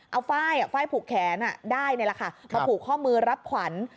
เอาไฟ่ไฟ่ผูกแขนได้เลยค่ะมาผูกข้อมือรับขวัญ